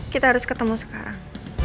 kita harus ketemu sekarang